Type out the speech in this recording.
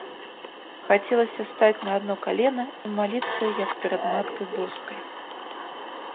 Хацелася стаць на адно калена і маліцца, як перад маткай боскай.